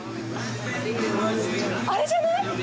あれじゃない？